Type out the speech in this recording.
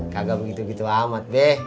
kagak begitu begitu amat be